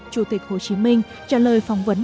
chủ tịch hồ chí minh trả lời phỏng vấn